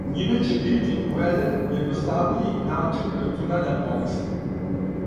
Њиме ће бити уведен једноставнији начин рачунања пореза.